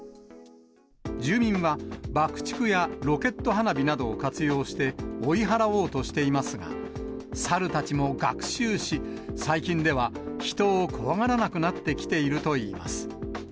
住民は爆竹やロケット花火などを活用して、追い払おうとしていますが、猿たちも学習し、最近では人を怖がらなくなってきているといいます。